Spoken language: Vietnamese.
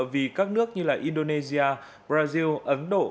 vì các nước như là indonesia brazil ấn độ